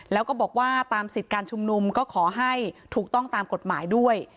แล้วก็บอกว่าตามสิทธิ์การชุมนุมก็ขอให้ถูกต้องตามกฎหมายด้วย